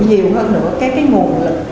nhiều hơn nữa các nguồn lực